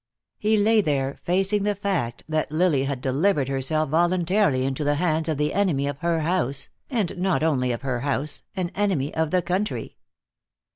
He lay there, facing the fact that Lily had delivered herself voluntarily into the hands of the enemy of her house, and not only of her house, an enemy of the country.